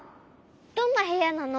どんなへやなの？